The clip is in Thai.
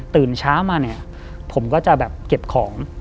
ตื่นเช้ามาเนี่ยผมก็จะแบบเก็บของ